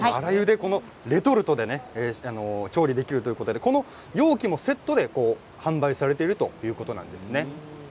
レトルトで調理できるということで容器もセットで販売されているということです。